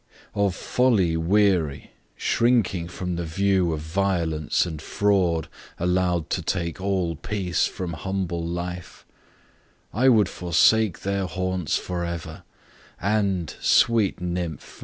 OF Folly weary, shrinking from the view Of Violence and Fraud, allow'd to take All peace from humble life; I would forsake Their haunts for ever, and, sweet Nymph!